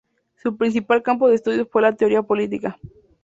Su principal campo de estudios fue la teoría política.